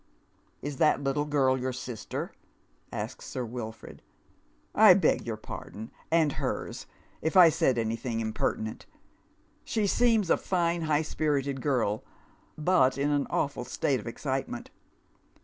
" Is that little girl your sister ?" says Sir Wilford. " I beg your pardon and hers if I said anything impertinent. She seems a fine high spuited girl, but in an awful state of excitement.